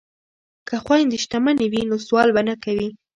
که خویندې شتمنې وي نو سوال به نه کوي.